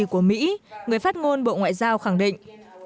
trong cuộc bầu cử giữa kỳ của mỹ người phát ngôn bộ ngoại giao khẳng định